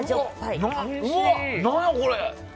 何やこれ！